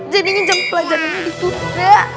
jadinya jam pelajaran gitu